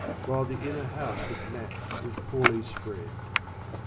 While th' inner house with mats is poorly spread."